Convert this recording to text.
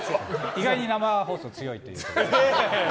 意外に生放送強いという。